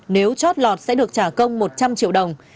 nếu chót lọt sẽ được trả công một trăm linh triệu đồng